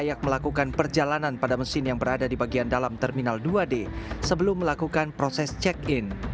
layak melakukan perjalanan pada mesin yang berada di bagian dalam terminal dua d sebelum melakukan proses check in